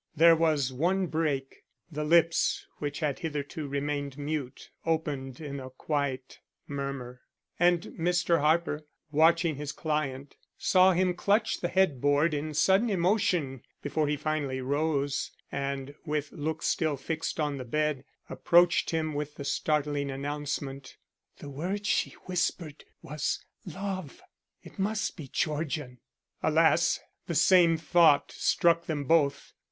There was one break. The lips which had hitherto remained mute opened in a quiet murmur, and Mr. Harper, watching his client, saw him clutch the headboard in sudden emotion before he finally rose and, with looks still fixed on the bed, approached him with the startling announcement: "The word she whispered was 'Love'! It must be Georgian." Alas! the same thought struck them both.